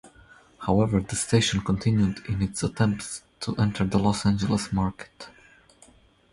However, the station continued in its attempts to enter the Los Angeles market.